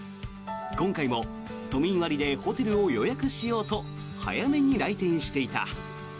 今回も都民割でホテルを予約しようと早めに来店していた。